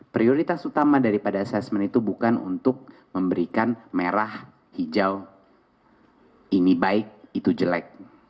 prioritas utama daripada assessment itu bukan untuk memberikan merah hijau ini baik itu jelek